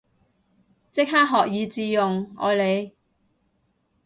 即刻學以致用，愛你